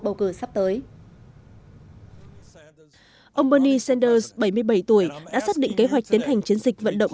bầu cử sắp tới ông bernie sanders bảy mươi bảy tuổi đã xác định kế hoạch tiến hành chiến dịch vận động